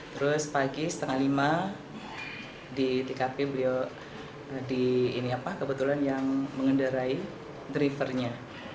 terus pagi setengah lima di tkp beliau kebetulan yang mengendarai drivernya